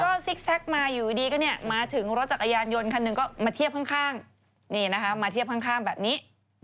ก็ซิกแก๊กมาอยู่ดีก็เนี่ยมาถึงรถจักรยานยนต์คันหนึ่งก็มาเทียบข้างนี่นะคะมาเทียบข้างแบบนี้